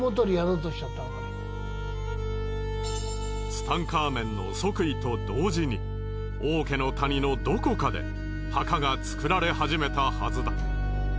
ツタンカーメンの即位と同時に王家の谷のどこかで墓が造られ始めたはずだ。